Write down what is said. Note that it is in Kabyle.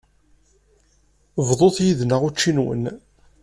Bḍut yid-nneɣ učči-nwen.